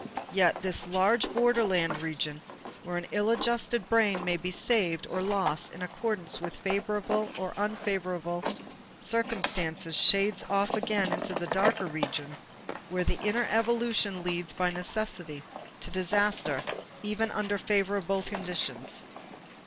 Yet this large borderland region, where an ill adjusted brain may be saved or lost in accordance with favorable or unfavorable circumstances, shades off again to the darker regions where the inner evolution leads by necessity to disaster even under favorable conditions.